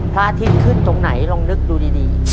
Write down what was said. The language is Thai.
พระอาทิตย์ขึ้นตรงไหนลองนึกดูดี